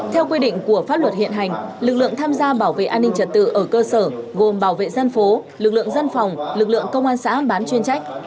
theo quy định của pháp luật hiện hành lực lượng tham gia bảo vệ an ninh trật tự ở cơ sở gồm bảo vệ dân phố lực lượng dân phòng lực lượng công an xã bán chuyên trách